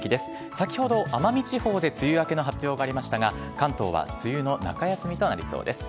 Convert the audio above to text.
先ほど奄美地方で梅雨明けの発表がありましたが、関東は梅雨の中休みとなりそうです。